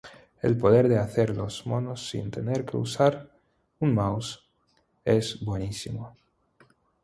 El poder hacer los monos sin tener que usar un mouse es buenísimo.